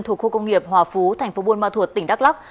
thuộc khu công nghiệp hòa phú tp buôn ma thuột tỉnh đắk lắk